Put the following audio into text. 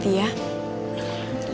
takutnya raika masih kesel